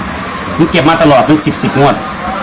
ผมเก็บมาตลอดเป็น๑๐๑๐งวด